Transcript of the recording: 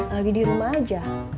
lagi di rumah aja